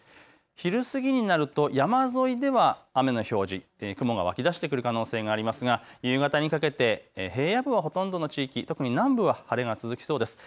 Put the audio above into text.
昼過ぎになると山沿いでは雨の表示、雲が湧き出してくる可能性がありますが夕方にかけて平野部はほとんどの地域、特に南部は晴れが続きそうです。